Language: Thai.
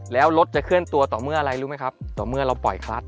แล้วรถจะเคลื่อนตัวต่อเมื่ออะไรรู้ไหมครับต่อเมื่อเราปล่อยคลัด